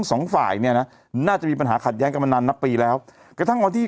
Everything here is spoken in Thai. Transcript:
โอ้โหนี่